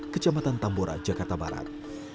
kecamatan tambora jakarta barat